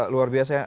luar biasa ya